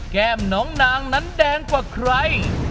แก้มน้องนางนั้นแดงกว่าใคร